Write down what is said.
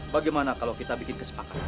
bagaimana kalau kita bikin kesepakatan